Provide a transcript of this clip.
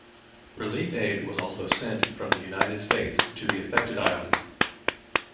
Relief aid was also sent from the United States to the affected islands.